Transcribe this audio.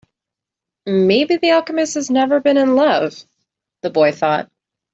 Maybe the alchemist has never been in love, the boy thought.